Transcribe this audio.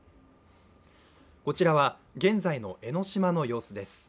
こちらは現在の江の島の様子です。